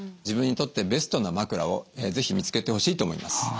自分にとってベストな枕をぜひ見つけてほしいと思います。